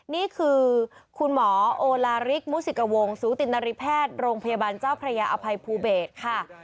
นี่คือคุณหมอโอลาริกมุสิกวงศูตินริแพทย์โรงพยาบาลเจ้าพระยาอภัยภูเบศค่ะ